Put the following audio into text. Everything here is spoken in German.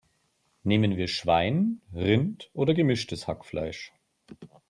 Nehmen wir Schwein, Rind oder gemischtes Hackfleisch?